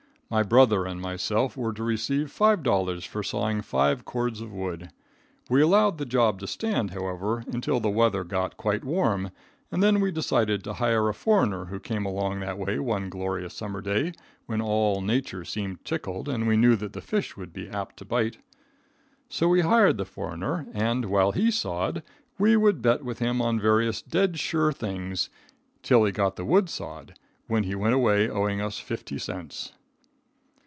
My brother and myself were to receive $5 for sawing five cords of wood. We allowed the job to stand, however, until the weather got quite warm, and then we decided to hire a foreigner who came along that way one glorious summer day when all nature seemed tickled and we knew that the fish would be apt to bite. So we hired the foreigner, and while he sawed, we would bet with him on various "dead sure things" until he got the wood sawed, when he went away owing us fifty cents.